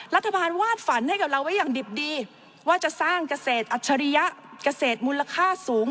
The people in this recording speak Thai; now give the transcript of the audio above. รัฐบาลวาดฝันให้กับเราไว้อย่างดิบดีว่าจะสร้างเกษตรอัจฉริยะเกษตรมูลค่าสูง